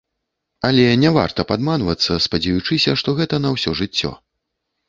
Але не варта падманвацца, спадзеючыся, што гэта на ўсё жыццё.